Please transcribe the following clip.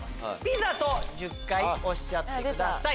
「ピザ」と１０回おっしゃってください。